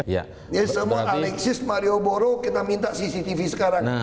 jadi semua alexis mario moro kita minta cctv sekarang